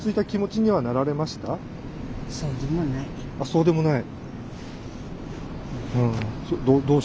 そうでもない？